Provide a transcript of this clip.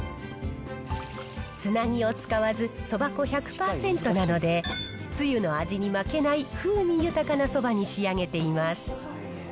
つなぎを使わずそば粉１００％なので、つゆの味に負けない風味豊かなそばに仕上げています。